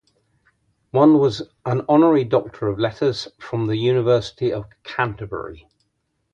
One was an honorary Doctor of Letters from the University of Canterbury.